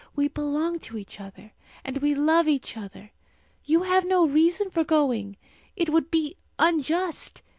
We belong to each other, and we love each other. You have no reason for going! It would be unjust!